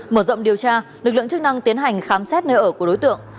mở rộng điều tra lực lượng chức năng tiến hành khám xét nơi ở của đối tượng